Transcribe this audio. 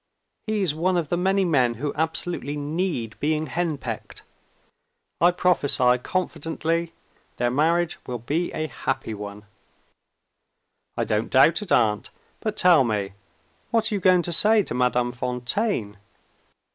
He is one of the many men who absolutely need being henpecked. I prophesy confidently their marriage will be a happy one." "I don't doubt it, aunt. But tell me, what are you going to say to Madame Fontaine?"